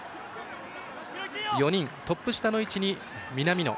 トップ下の位置に南野。